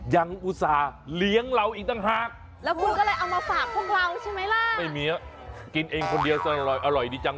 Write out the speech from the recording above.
ยังอุตส่าห์เลี้ยงเราอีกตั้งหาก